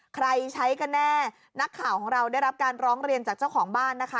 ใครใช้กันแน่นักข่าวของเราได้รับการร้องเรียนจากเจ้าของบ้านนะคะ